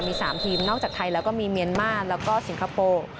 มี๓ทีมนอกจากไทยแล้วก็มีเมียนมาร์แล้วก็สิงคโปร์